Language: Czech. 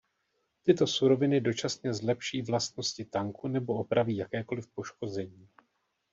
Tyto "suroviny" dočasně zlepší vlastnosti tanku nebo opraví jakékoliv poškození.